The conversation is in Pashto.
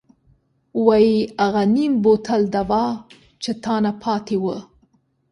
وۍ اغه نيم بوتل دوا چې تانه پاتې وه.